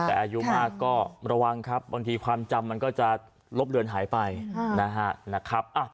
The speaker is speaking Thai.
แต่อายุมากก็ระวังครับบางทีความจำมันก็จะลบเลือนหายไปนะครับ